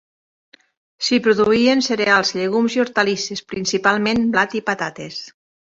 S'hi produïen cereals, llegums i hortalisses, principalment blat i patates.